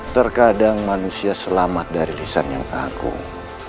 terkadang manusia selamat dari lisan yang agung